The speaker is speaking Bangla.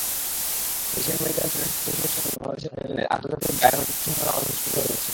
এশিয়ান মেডিকেল স্টুডেন্টস অ্যাসোসিয়েশন বাংলাদেশের আয়োজনে আন্তর্জাতিক বায়োমেডিক্যাল সম্মেলন অনুষ্ঠিত হতে যাচ্ছে।